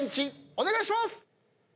お願いします！